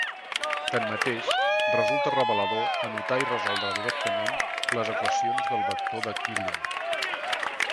Tanmateix, resulta revelador anotar i resoldre directament les equacions del vector de Killing.